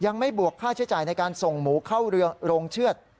บวกค่าใช้จ่ายในการส่งหมูเข้าโรงเชือด